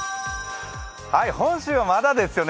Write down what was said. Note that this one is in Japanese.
本州はまだですよね。